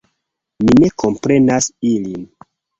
Mi ne komprenas ilin.